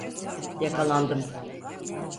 Yakalandım.